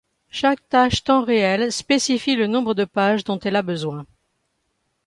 Chaque tâche temps réel spécifie le nombre de pages dont elle a besoin.